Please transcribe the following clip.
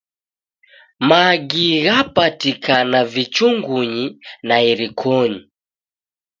Magi ghapatikana vichungunyi na irikonyi.